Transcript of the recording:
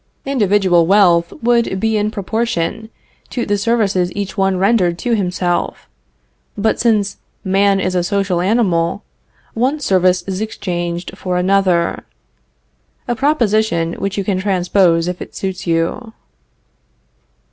Individual wealth would be in proportion to the services each one rendered to himself. But since man is a social animal, one service is exchanged for another. A proposition which you can transpose if it suits you.